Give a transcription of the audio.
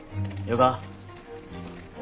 よか？